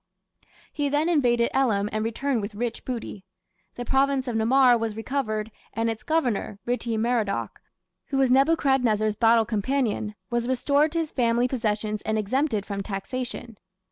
He then invaded Elam and returned with rich booty. The province of Namar was recovered, and its governor, Ritti Merodach, who was Nebuchadrezzar's battle companion, was restored to his family possessions and exempted from taxation.